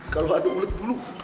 kalau ada ulat bulu hiih